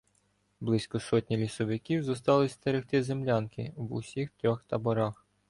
Близько сотні лісовиків зосталися стерегти землянки в усіх трьох таборах.